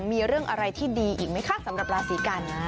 มีเรื่องอะไรที่ดีอีกไหมคะสำหรับราศีกันนะ